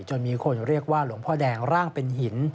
จนมีคนเรียกว่าหลวงพ่อแดงร่างเป็นหิน